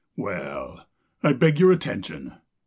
Well, I beg your attention.